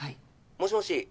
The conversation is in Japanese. もしもし。